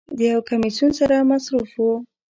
د یو کمیسون سره مصروف و.